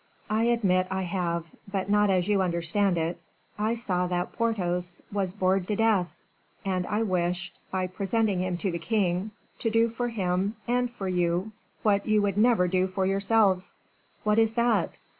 "I admit, I have, but not as you understand it. I saw that Porthos was bored to death, and I wished, by presenting him to the king, to do for him, and for you, what you would never do for yourselves." "What is that?"